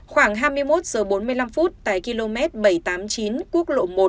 khoảng hai mươi một giờ bốn mươi năm phút tại km bảy trăm tám mươi chín quốc lộ một